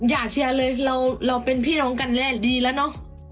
อย่าเชียร์เลยเราเป็นพี่น้องกันแน่ดีแล้วเนอะ